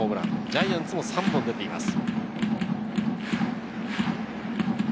ジャイアンツも３本出ています。